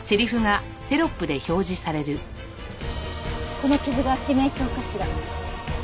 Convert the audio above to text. この傷が致命傷かしら。